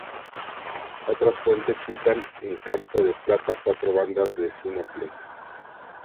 Otras fuentes citan: "En campo de plata cuatro bandas de sinople".